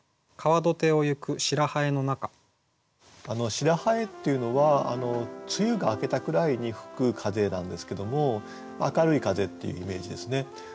「白南風」っていうのは梅雨が明けたくらいに吹く風なんですけども明るい風っていうイメージですね。